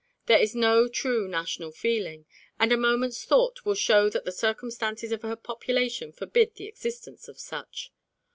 There is no true national feeling, and a moment's thought will show that the circumstances of her population forbid the existence of such.